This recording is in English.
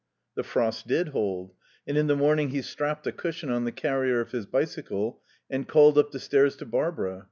The frost did hold, and in the morning he strapped a cushion on the carrier of his bicycle and called up the stairs to Barbara.